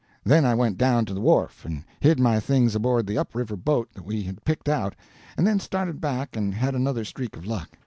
Then I went down to the wharf and hid my things aboard the up river boat that we had picked out, and then started back and had another streak of luck.